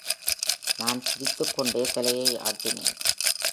நான் சிரித்துக்கொண்டே தலையை ஆட்டினேன்.